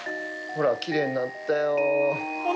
ほら、きれいになったよ。